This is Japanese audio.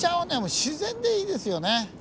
自然でいいですよね。